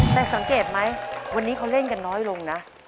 แต่สังเกตไหมวันนี้เขาเล่นกันน้อยลงนะ